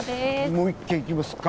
もう１軒行きますか。